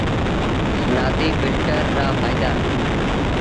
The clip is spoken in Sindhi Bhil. نآديٚ ڦلٽر رآ ڦآئيدآ۔